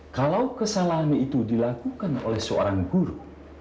kalau kesalahan itu dilakukan oleh seorang guru